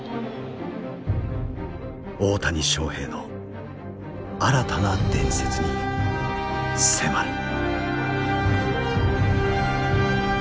大谷翔平の新たな伝説に迫る。